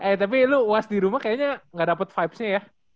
eh tapi lo uas dirumah kayaknya gak dapet vibesnya ya